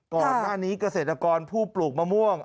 ก่อนหน้านี้เกษตรกรผู้ปลูกมะม่วง